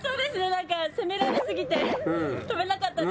なんか攻められすぎて跳べなかったです。